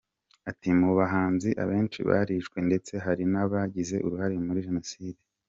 Ati “Mu bahanzi abenshi barishwe ndetse hari n’abagize uruhare muri Jenoside.